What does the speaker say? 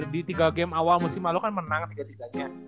di tiga game awal musim lalu kan menang tiga tiganya